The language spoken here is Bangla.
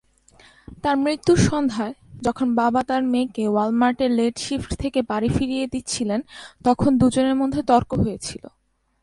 তার মৃত্যুর সন্ধ্যায়, যখন বাবা তার মেয়েকে ওয়াল-মার্টে লেট শিফট থেকে বাড়ি ফিরিয়ে দিচ্ছিলেন, তখন দুজনের মধ্যে তর্ক হয়েছিল।